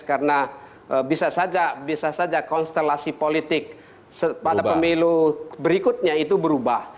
karena bisa saja konstelasi politik pada pemilu berikutnya itu berubah